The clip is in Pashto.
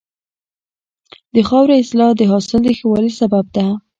د خاورې اصلاح د حاصل د ښه والي سبب ده.